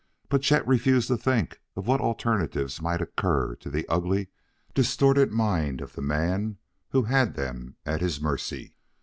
But Chet refused to think of what alternatives might occur to the ugly, distorted mind of the man who had them at his mercy.